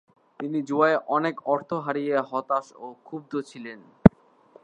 তিনি জুয়ায় অনেক অর্থ হারিয়ে হতাশ ও ক্ষুব্ধ ছিলেন।